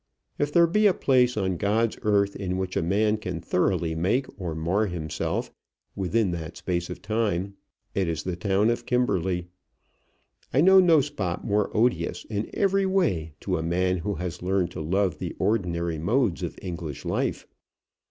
If there be a place on God's earth in which a man can thoroughly make or mar himself within that space of time, it is the town of Kimberley. I know no spot more odious in every way to a man who has learned to love the ordinary modes of English life.